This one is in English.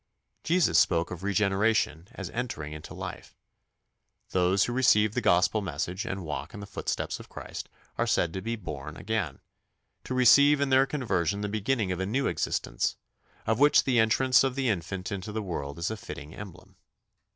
Jesus spoke of regeneration as entering into life. Those who receive the Gospel message and walk in the footsteps of Christ are said to be born again to receive in their conversion the beginning of a new existence, of which the entrance of the infant into the world is a fitting emblem.